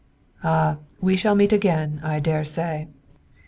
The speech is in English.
"Ah, we shall meet again, I dare say!"